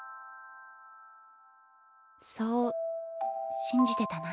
そう信じてたな。